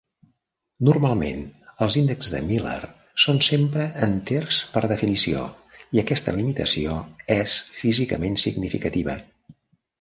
Normalment, els índexs de Miller són sempre enters per definició i aquesta limitació és físicament significativa.